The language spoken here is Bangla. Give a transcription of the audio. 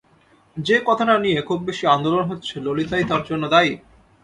যে কথাটা নিয়ে খুব বেশি আন্দোলন হচ্ছে ললিতাই তার জন্যে দায়ী।